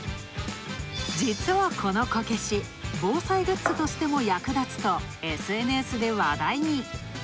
実はこのこけし、防災グッズとしても役立つとＳＮＳで話題に。